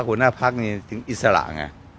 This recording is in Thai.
หัวหน้าพักนี่ถึงอิสระไง